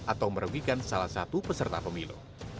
atau merugikan salah satu peserta pemilu